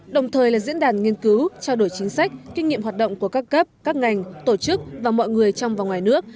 đồng thời là diễn đàn nghiên cứu trao đổi chính sách kinh nghiệm hoạt động của các cấp các ngành tổ chức và mọi người trong và ngoài nước